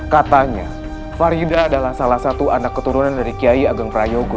katanya farida adalah salah satu anak keturunan dari kiai ageng prayogo